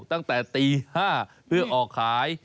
ตั้งแต่ตี๕เพื่อออกขาย